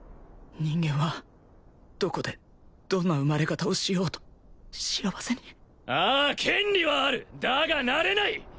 人間はどこでどんな生まれ方をしようと幸せにああ権利はあるだがなれない！